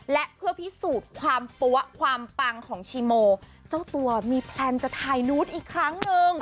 และเพื่อพิสูจน์ความปั๊วความปังของชีโมเจ้าตัวมีแพลนจะถ่ายนูตอีกครั้งหนึ่ง